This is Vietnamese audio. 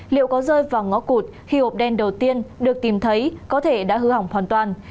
liệu có rơi vào ngõ cụt khi hộp đen đầu tiên được tìm thấy có thể đã hư hỏng hoàn toàn